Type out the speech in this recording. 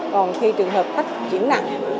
còn khi trường hợp khách chuyển nặng